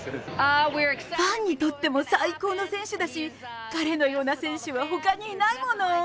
ファンにとっても最高の選手だし、彼のような選手はほかにいないもの。